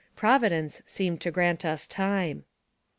Providence seemed to grant us time.